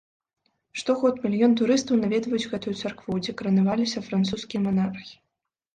Штогод мільён турыстаў наведваюць гэтую царкву, дзе каранаваліся французскія манархі.